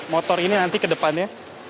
motor ini nanti ke depannya